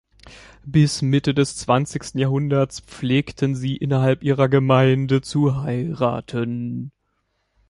Bis Mitte des zwanzigsten Jahrhunderts pflegten sie, innerhalb ihrer Gemeinde zu heiraten.